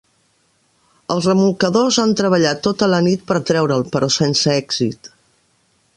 Els remolcadors han treballat tota la nit per treure'l, però sense èxit.